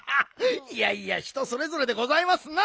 いやいや人それぞれでございますな。